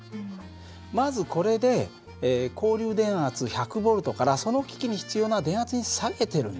まずこれで交流電圧１００Ｖからその機器に必要な電圧に下げてるんだよ。